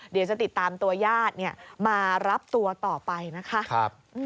เดี๋ยวจะติดตามตัวญาติมารับตัวต่อไปนะคะ